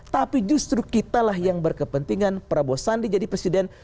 tapi justru kitalah yang berkepentingan prabowo sandi jadi presiden